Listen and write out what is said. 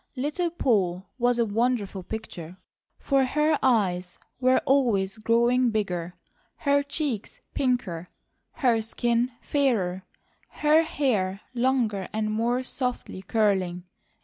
Little Poll was a wonderful picture, for her eyes were always growing bigger, her cheeks pinker, her skin fairer, her hair longer and more softly curling.